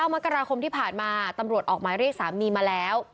มกราคมที่ผ่านมาตำรวจออกหมายเรียกสามีมาแล้ว